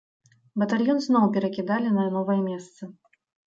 Батальён зноў перакідалі на новае месца.